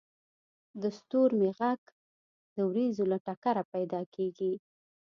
• د ستورمې ږغ د ورېځو له ټکره پیدا کېږي.